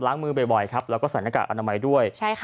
มือบ่อยครับแล้วก็ใส่หน้ากากอนามัยด้วย